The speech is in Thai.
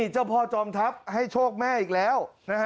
เจ้าพ่อจอมทัพให้โชคแม่อีกแล้ว